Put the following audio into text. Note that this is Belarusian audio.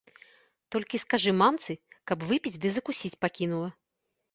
Толькі скажы мамцы, каб выпіць ды закусіць пакінула.